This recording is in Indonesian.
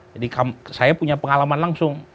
jadi saya punya pengalaman langsung